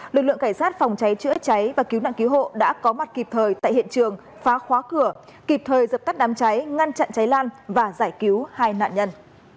lực lượng cảnh sát phòng cháy chữa cháy và cứu nạn cứu hộ đã có mặt kịp thời tại hiện trường phá khóa cửa kịp thời dập tắt đám cháy ngăn chặn cháy lan và giải cứu hai nạn nhân